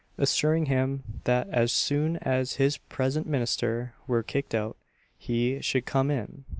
assuring him, that as soon as his present ministers were kicked out, he should come in.